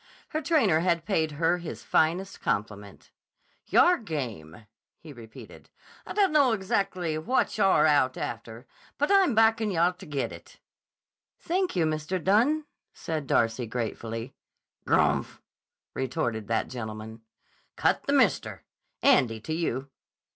Her trainer had paid her his finest compliment. "Yah'r game," he repeated. "I dunno exactly what yah'r out after, but I'm backin' yah to get it." "Thank you, Mr. Dunne," said Darcy gratefully. "Grmph!" retorted that gentleman. "Cut the Mister. Andy, to you."